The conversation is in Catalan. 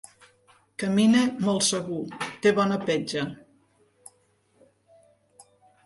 Camina molt segur: té bona petja.